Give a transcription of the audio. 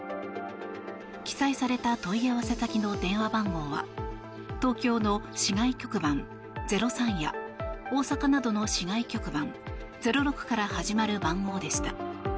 記載された問い合わせ先の電話番号は東京の市外局番０３や大阪などの市外局番０６から始まる番号でした。